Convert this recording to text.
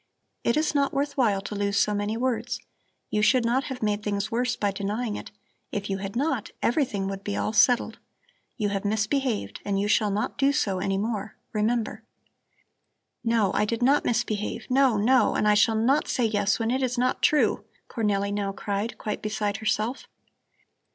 It is not worth while to lose so many words. You should not have made things worse by denying it; if you had not, everything would be all settled. You have misbehaved and you shall not do so any more. Remember!" "No, I did not misbehave. No, no! And I shall not say yes when it is not true," Cornelli now cried, quite beside herself.